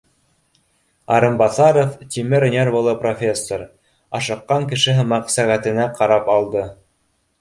Арынбаҫаров, тимер нервылы профессор, ашыҡҡан кеше һымаҡ, сәғәтенә ҡарап алды